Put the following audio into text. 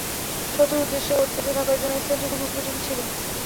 শত্রুর উদ্দেশে ওঁৎ পেতে থাকার জন্য স্থানটি খুবই উপযোগী ছিল।